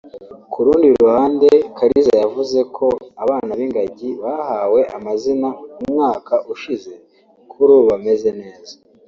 Ku rundi ruhande Kariza yavuze ko abana b’ingagi bahawe amazina umwaka ushize kuri ubu bameze neza